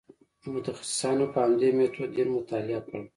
متخصصانو په همدې میتود دین مطالعه کړ.